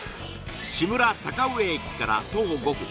志村坂上駅から徒歩５分